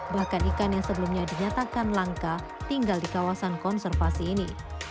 bahkan ikan yang sebelumnya dinyatakan langka tinggal di kawasan konservasi ini